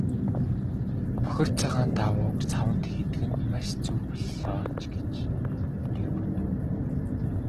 Бохир цагаан даавууг саванд хийдэг нь маш зөв боллоо ч гэж тэр бодов.